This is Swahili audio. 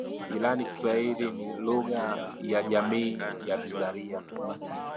irani Kiswahili ni Lugha ya Jamii ya Vizalia